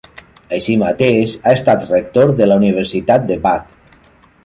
Així mateix ha estat rector de la Universitat de Bath.